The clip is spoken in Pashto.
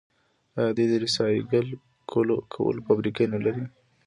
آیا دوی د ریسایکل کولو فابریکې نلري؟